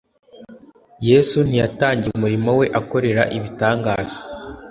Yesu ntiyatangiye umurimo we akorera ibitangaza